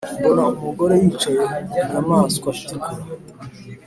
mbona umugore yicaye ku nyamaswa itukura